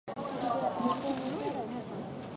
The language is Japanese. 日本語はうんこだ